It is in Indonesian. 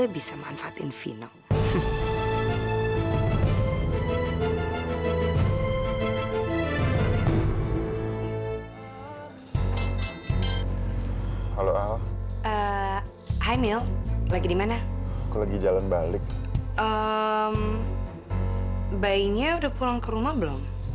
bayinya udah pulang ke rumah belum